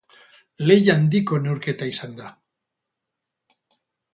Lehia handiko neurketa izan da.